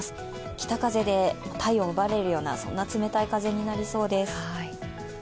北風で体温を奪われるような冷たい風になりそうです。